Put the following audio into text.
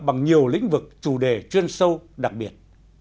bằng nhiều lĩnh vực chủ đề chuyên sâu đặc biệt